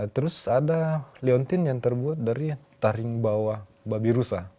terus ada leontin yang terbuat dari taring bawah babi rusa